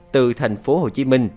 từ thành phố hồ chí minh